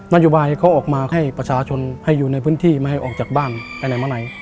นโยบายเขาออกมาให้ประชาชนให้อยู่ในพื้นที่ไม่ให้ออกจากบ้านไปไหนมาไหน